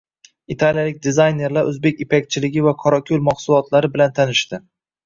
Italiyalik dizaynerlar o‘zbek ipakchiligi va qorako‘l mahsulotlari bilan tanishding